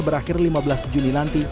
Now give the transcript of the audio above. berakhir lima belas juni nanti